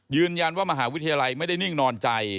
ยืนยันว่ามหาวิทยาลัยไม่ได้นิ่งนอนใจ